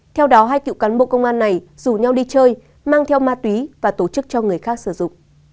theo đó hai cựu cán bộ công an này rủ nhau đi chơi mang theo ma túy và tổ chức cho người khác sử dụng